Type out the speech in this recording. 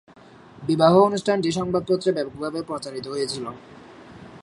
বিবাহ অনুষ্ঠানটি সংবাদপত্রে ব্যাপকভাবে প্রচারিত হয়েছিল।